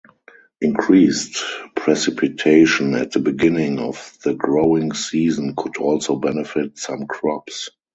Increased precipitation at the beginning of the growing season could also benefit some crops.